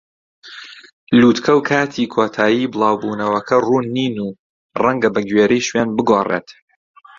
لووتکە و کاتی کۆتایی بڵاو بوونەوەکە ڕوون نین و ڕەنگە بەگوێرەی شوێن بگۆڕێت.